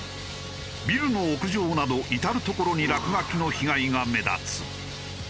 ビルの屋上など至る所に落書きの被害が目立つ。